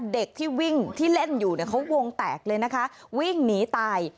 เด็กที่วิ่งที่เล่นอยู่เนี่ยเขาวงแตกเลยนะคะวิ่งหนีตาย